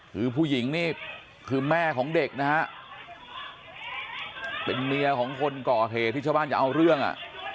คือผู้หญิงนี่คือแม่ของเด็กนะฮะเป็นเมียของคนก่อเหตุที่ชาวบ้านจะเอาเรื่องอ่ะ